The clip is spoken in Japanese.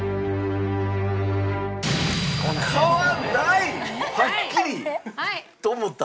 買わない！はっきり！と思った？